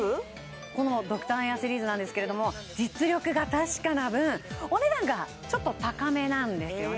このドクターエアシリーズなんですけれども実力が確かな分お値段がちょっと高めなんですよね